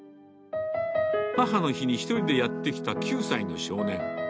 母の日に１人でやって来た９歳の少年。